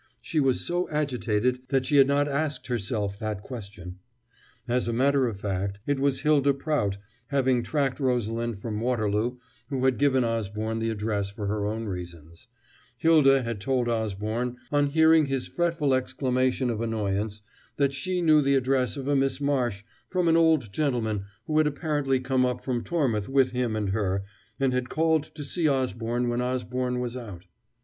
She was so agitated that she had not asked herself that question. As a matter of fact, it was Hylda Prout, having tracked Rosalind from Waterloo, who had given Osborne the address for her own reasons: Hylda had told Osborne, on hearing his fretful exclamation of annoyance, that she knew the address of a Miss Marsh from an old gentleman who had apparently come up from Tormouth with him and her, and had called to see Osborne when Osborne was out.